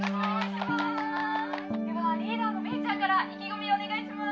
「ではリーダーのメイちゃんから意気込みお願いします」